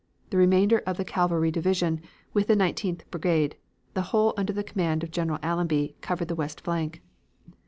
The remainder of the cavalry division, with the Nineteenth Brigade, the whole under the command of General Allenby, covered the west flank.